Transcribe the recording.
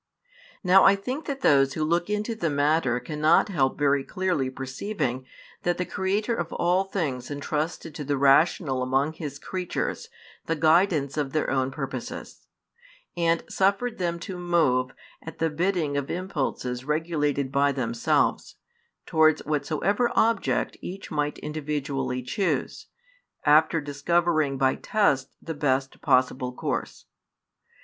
Now I think that those who look into the matter cannot help very clearly perceiving, that the Creator of all things entrusted to the rational among His creatures the guidance of their own purposes; and suffered them to move, at the bidding of impulses regulated by themselves, towards whatsoever object each might individually choose, after discovering by tests the best possible course.